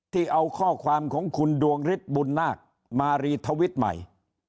ที่เอาข้อความของคุณดวงฤทธิ์บุญนาคมารีทวิตใหม่